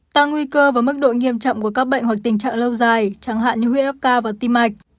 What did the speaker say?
tăng nguy cơ và mức độ nghiêm trọng của các bệnh hoặc tình trạng lâu dài chẳng hạn như huyết áp cao và tim mạch